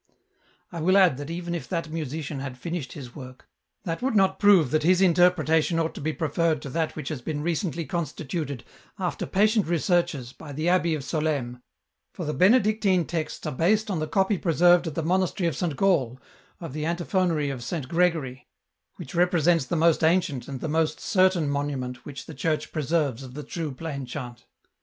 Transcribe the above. " I will add that even if that musician had finished his work, that would not prove that his interpretation ought to be preferred to that which has been recently constituted after patient researches by the Abbey of Solesmes, for the Benedictine texts are based on the copy preserved at the monastery of St. Gall of the antiphonary of Saint Gregory, which represents the most ancient and the most certain monu ment which the Church preserves of the true plain chant.